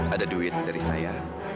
ada duit dari saya